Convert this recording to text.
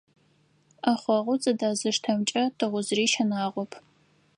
Ӏэхъогъу зэдэзыштэмкӏэ тыгъужъыри щынагъоп.